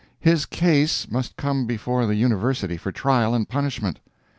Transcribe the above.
His case must come before the University for trial and punishment.